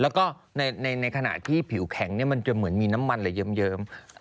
แล้วก็ในขณะที่ผิวแข็งมันจะเหมือนมีน้ำมันอะไรเยิ้ม